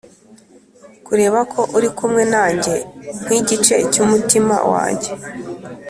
kureba ko uri kumwe nanjye nkigice cyumutima wanjye,